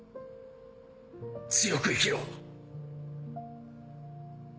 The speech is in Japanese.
強く生きろ。